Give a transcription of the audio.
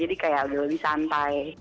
jadi kayak udah lebih santai